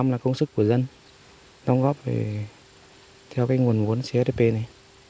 một mươi là công sức của dân đóng góp theo cái nguồn vốn cdp này